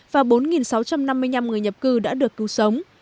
và bốn sáu trăm năm mươi năm người nhập cư đã được cứu sống